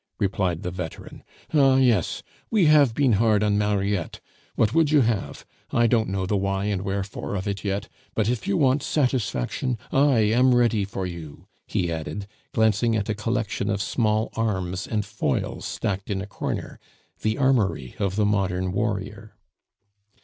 replied the veteran. "Ah! yes; we have been hard on Mariette. What would you have? I don't know the why and wherefore of it yet. But if you want satisfaction, I am ready for you," he added, glancing at a collection of small arms and foils stacked in a corner, the armory of the modern warrior.